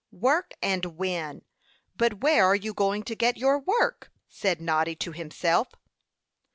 "Work and win; but where are you going to get your work?" said Noddy to himself.